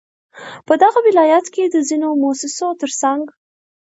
په دغه ولايت كې د ځينو مؤسسو ترڅنگ